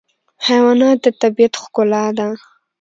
حیوانات د طبیعت ښکلا ده.